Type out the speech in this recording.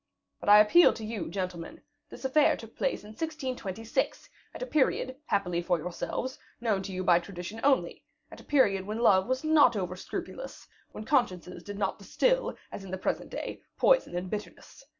But I appeal to you, gentlemen; this affair took place in 1626, at a period, happily for yourselves, known to you by tradition only, at a period when love was not over scrupulous, when consciences did not distill, as in the present day, poison and bitterness.